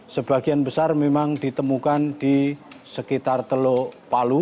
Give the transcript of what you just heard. sebagian besar memang ditemukan di sekitar teluk palu